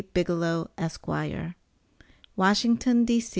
BIGELOW, ESQ. WASHINGTON, D.